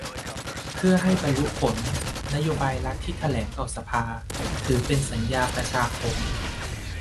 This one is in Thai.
เพื่อให้บรรลุผล นโยบายรัฐที่แถลงต่อสภา ถือเป็นสัญญาประชาคม